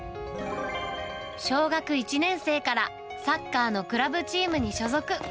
小学１年生からサッカーのクラブチームに所属。